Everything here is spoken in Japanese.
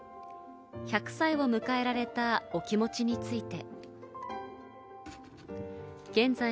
１００歳を迎えられたお気持ちについて。